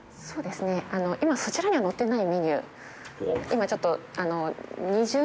そうですねあの今そちらには載ってないメニュー。